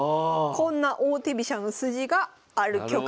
こんな王手飛車の筋がある局面でした。